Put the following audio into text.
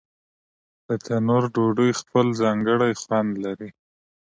د تنور ډوډۍ خپل ځانګړی خوند لري.